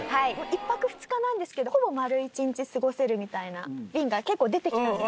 １泊２日なんですけどほぼ丸一日過ごせるみたいな便が結構出てきたんです。